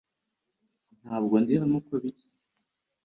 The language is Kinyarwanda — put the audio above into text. Ntabwo ndi hano uko biri